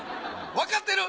分かってる？